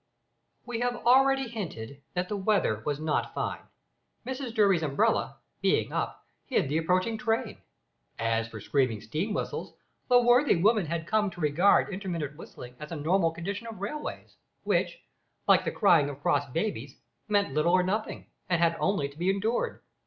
We have already hinted that the weather was not fine. Mrs Durby's umbrella being up, hid the approaching train. As for screaming steam whistles, the worthy woman had come to regard intermittent whistling as a normal condition of railways, which, like the crying of cross babies, meant little or nothing, and had only to be endured.